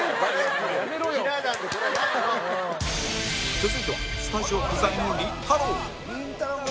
続いてはスタジオ不在のりんたろー。